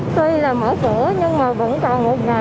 tuy là mở cửa nhưng mà vẫn còn một ngày